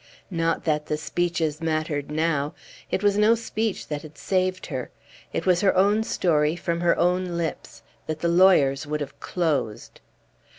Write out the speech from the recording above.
Not that the speeches mattered now. It was no speech that had saved her; it was her own story, from her own lips, that the lawyers would have closed!